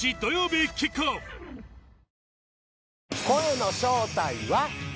声の正体は。